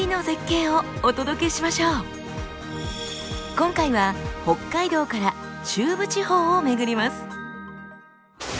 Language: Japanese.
今回は北海道から中部地方を巡ります。